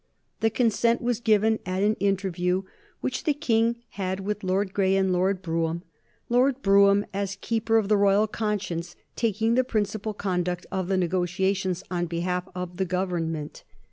The consent was given at an interview which the King had with Lord Grey and Lord Brougham, Lord Brougham as keeper of the royal conscience taking the principal conduct of the negotiations on behalf of the Government.